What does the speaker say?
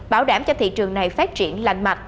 bảo đảm cho thị trường này phát triển lành mạnh